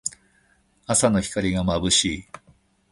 朝の光がまぶしい。